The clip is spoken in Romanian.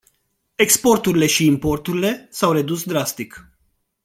Exporturile și importurile s-au redus drastic.